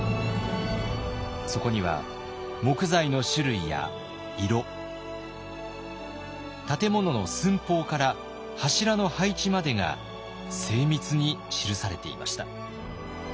そこには木材の種類や色建物の寸法から柱の配置までが精密に記されていました。